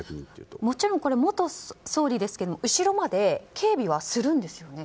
もちろんこれは元総理ですけども後ろまで警備はするんですよね？